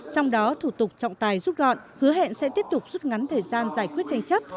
trong đó thủ tục trọng tài rút gọn hứa hẹn sẽ tiếp tục rút ngắn thời gian giải quyết tranh chấp